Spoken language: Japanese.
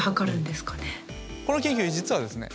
この研究実はですね